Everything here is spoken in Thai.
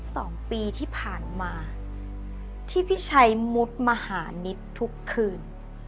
สองปีที่ผ่านมาที่พี่ชัยมุดมหานิดทุกคืน